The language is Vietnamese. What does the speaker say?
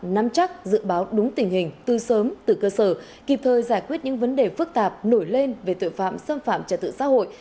nắm chắc dự báo đúng tình hình từ sớm từ cơ sở kịp thời giải quyết những vấn đề phức tạp nổi lên về tội phạm xâm phạm trật tự xã hội